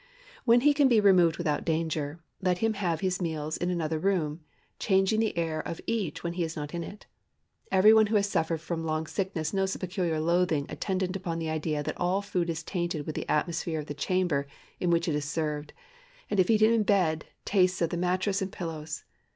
When he can be removed without danger, let him have his meals in another room, changing the air of each when he is not in it. Every one who has suffered from long sickness knows the peculiar loathing attendant upon the idea that all food is tainted with the atmosphere of the chamber in which it is served, and if eaten in bed, tastes of the mattress and pillows.